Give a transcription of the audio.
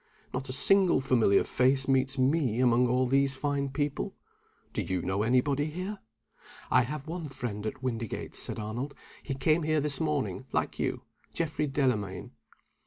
Not a single familiar face meets me among all these fine people. Do you know any body here?" "I have one friend at Windygates," said Arnold. "He came here this morning, like you. Geoffrey Delamayn."